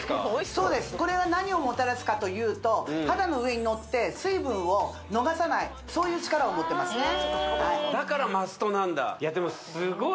そうですこれが何をもたらすかというと肌の上にのって水分を逃さないそういう力を持ってますねだからマストなんだ